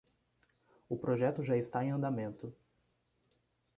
O projeto já está em andamento